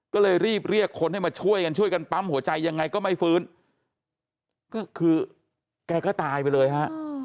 ก็เลยรีบเรียกคนให้มาช่วยกันช่วยกันปั๊มหัวใจยังไงก็ไม่ฟื้นก็คือแกก็ตายไปเลยฮะ